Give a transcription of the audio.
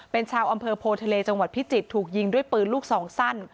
เป็นชาวอำเภอโพทะเลจังหวัดพิจิตรถูกยิงด้วยปืนลูกสองสั้น